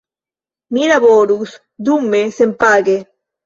Mi laborus dume senpage.